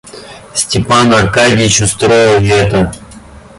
Степан Аркадьич устроил и это.